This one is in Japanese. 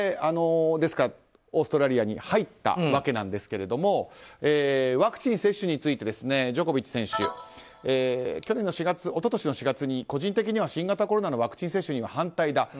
ですから、オーストラリアに入ったわけですがワクチン接種についてジョコビッチ選手は一昨年の４月に個人的には新型コロナのワクチン接種には反対だ。